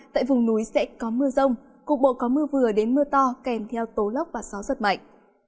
tại vùng núi sẽ có mưa rông cục bộ có mưa vừa đến mưa to kèm theo tố lốc và gió giật mạnh